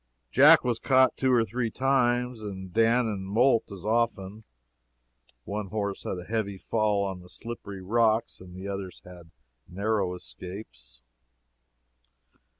Jack was caught two or three times, and Dan and Moult as often. One horse had a heavy fall on the slippery rocks, and the others had narrow escapes.